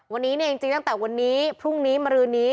วันนี้เนี่ยจริงตั้งแต่วันนี้พรุ่งนี้มารือนี้